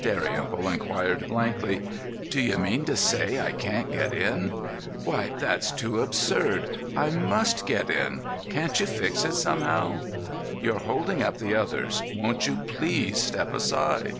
Dalrymple inquired, blankly: "Do you mean to say I can't get in? Why, that's too absurd! I must get in! Can't you fix it somehow?" "You're holding up the others. Won't you please step aside?"